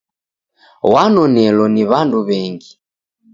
W'aw'onelo ni w'andu w'engi.